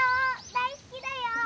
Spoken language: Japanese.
大好きだよ！」。